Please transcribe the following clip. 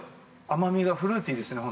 甘みがフルーティーですね